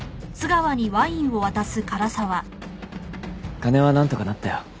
金はなんとかなったよ。